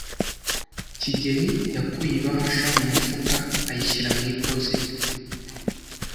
kigeli yakuye ibahasha mu mufuka ayishyira mu iposita.